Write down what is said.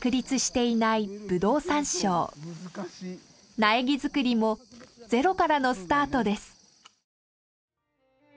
苗木作りもゼロからのスタートです。